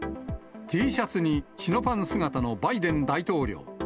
Ｔシャツにチノパン姿のバイデン大統領。